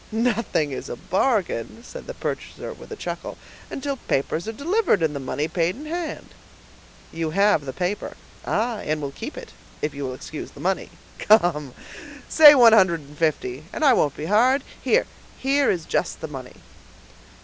"Nothing is a bargain," said the purchaser, with a chuckle, "until papers are delivered, and the money paid in hand." "You have the paper." "Aye, and will keep it, if you will excuse the money. Come, say one hundred and fifty, and I won't be hard; here—here is just the money."